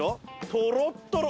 とろっとろ。